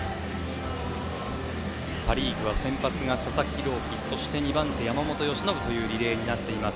パ・リーグは先発が佐々木朗希そして２番手、山本由伸というリレーになっています。